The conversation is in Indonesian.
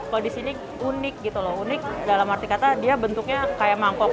kalau di sini unik gitu loh unik dalam arti kata dia bentuknya kayak mangkok